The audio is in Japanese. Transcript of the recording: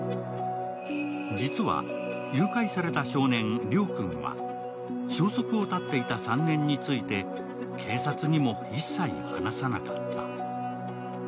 実は、誘拐された少年、亮君は消息を絶っていた３年について警察にも一切、話さなかった。